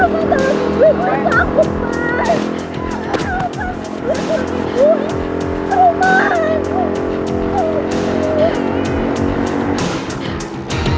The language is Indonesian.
mas tolong biar gue takut mas